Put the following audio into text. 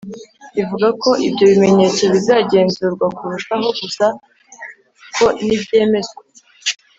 Ivuga ko ibyo bimenyetso bizagenzurwa kurushaho, gusa ko nibyemezwa?